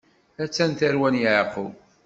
A-tt-an tarwa n Yeɛqub.